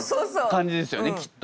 感じですよねきっと。